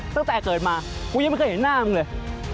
ตั้งแต่เกิดมากูยังไม่เคยเห็นหน้ามึงเลย